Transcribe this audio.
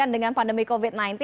dengan pandemi covid sembilan belas